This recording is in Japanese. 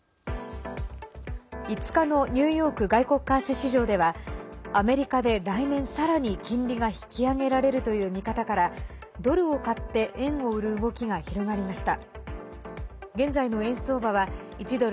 ５日のニューヨーク外国為替市場ではアメリカで来年、さらに金利が引き上げられるという見方からドルを買って円を売る動きが広がりました。